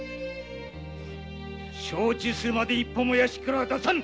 承知するまで一歩も屋敷から出さん。